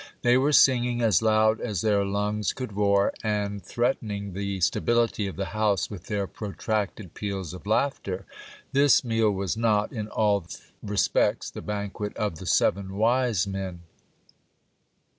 They were singing as loud as their lungs could roar, and threat ening the stability of the house with their protracted peals of laughter. This neal was not in all respects the banquet of the seven wise men.